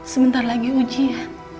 sebentar lagi ujian